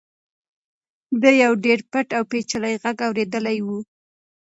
ده یو ډېر پټ او پېچلی غږ اورېدلی و.